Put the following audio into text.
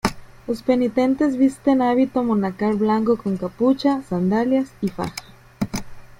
Los penitentes visten hábito monacal blanco con capucha, sandalias y faja.